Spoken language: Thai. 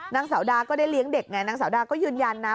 นางสาวดาก็ได้เลี้ยงเด็กไงนางสาวดาก็ยืนยันนะ